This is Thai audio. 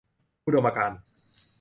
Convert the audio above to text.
อุดมการณ์